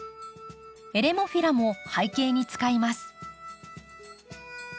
エレモフィラも背景に使います。